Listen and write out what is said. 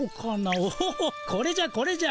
おこれじゃこれじゃ。